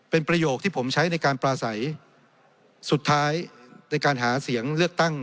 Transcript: เป็นประโยคที่ผมใช้ในการปลาใสสุดท้ายในการหาเสียงเลือกตั้ง